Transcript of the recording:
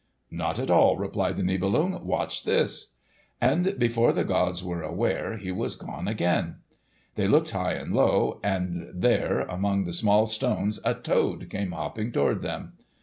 "Not at all," replied the Nibelung. "Watch this!" And before the gods were aware, he was gone again. They looked high and low, and there among the small stones a toad came hopping toward them.